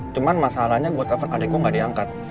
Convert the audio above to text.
cuman masalahnya gue telepon adikku nggak diangkat